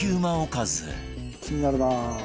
「気になるなあ」